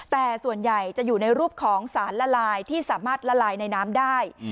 แต่ส่วนใหญ่จะอยู่ในรูปของสารละลายที่สามารถละลายในน้ำได้